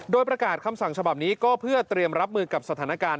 โดยประกาศคำสั่งฉบับนี้ก็เพื่อเตรียมรับมือกับสถานการณ์